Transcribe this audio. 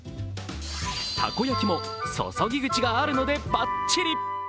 たこ焼きも、注ぎ口があるのでばっちり。